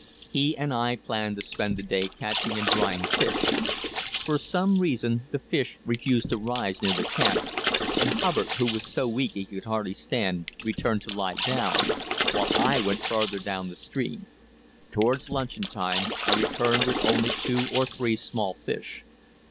He and I planned to spend the day catching and drying fish. For some reason the fish refused to rise near the camp, and Hubbard, who was so weak he could hardly stand, returned to lie down, while I went farther down the stream. Towards luncheon time I returned with only two or three small fish.